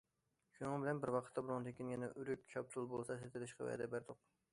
شۇنىڭ بىلەن بىر ۋاقىتتا بۇنىڭدىن كېيىن يەنە ئۆرۈك، شاپتۇل بولسا سېتىۋېلىشقا ۋەدە بەردۇق.